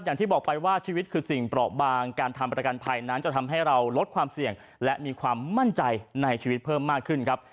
อย่างที่บอกไปว่าชีวิตคือสิ่งเปราะบางการทำประกันภัยนั้นจะทำให้เราลดความเสี่ยงและมีความมั่นใจในชีวิตเพิ่มมากขึ้นครับ